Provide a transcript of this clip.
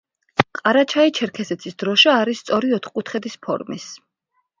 ყარაჩაი-ჩერქეზეთის დროშა არის სწორი ოთხკუთხედის ფორმის.